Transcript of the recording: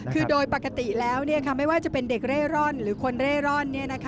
คือโดยปกติแล้วไม่ว่าจะเป็นเด็กเร่ร่อนหรือคนเร่ร่อน